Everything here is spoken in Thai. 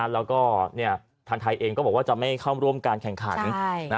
แล้วก็ทางไทยเองก็บอกว่าจะไม่เข้าร่วมการแข่งขัน